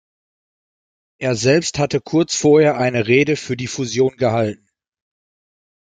Er selbst hatte kurz vorher eine Rede für die Fusion gehalten.